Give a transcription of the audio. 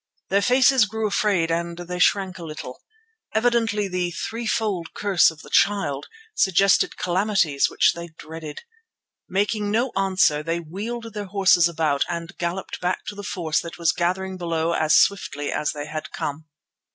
Their faces grew afraid and they shrank a little. Evidently the "threefold curse of the Child" suggested calamities which they dreaded. Making no answer, they wheeled their horses about and galloped back to the force that was gathering below as swiftly as they had come.